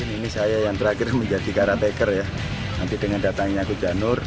ini saya yang terakhir menjadi caretaker ya nanti dengan datangnya gujanur